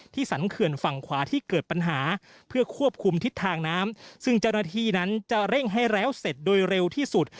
สันเขื่อนฝั่งขวาที่เกิดปัญหาเพื่อควบคุมทิศทางน้ำซึ่งเจ้าหน้าที่นั้นจะเร่งให้แล้วเสร็จโดยเร็วที่สุด